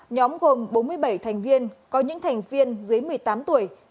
nhóm gồm bốn mươi bảy thành viên có những thành viên dưới một mươi tám tuổi